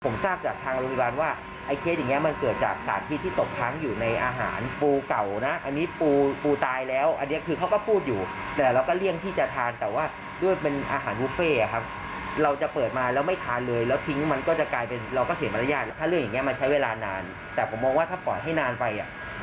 มันก็ถ้าเกิดการสูญเสียหนักกว่านี้